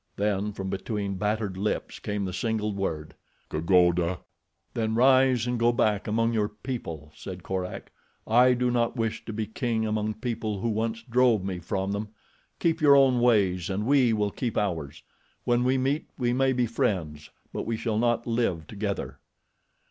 Then from between battered lips came the single word: "Kagoda!" "Then rise and go back among your people," said Korak. "I do not wish to be king among people who once drove me from them. Keep your own ways, and we will keep ours. When we meet we may be friends, but we shall not live together."